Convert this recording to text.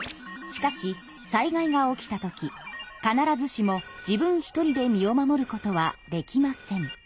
しかし災害が起きた時必ずしも自分１人で身を守ることはできません。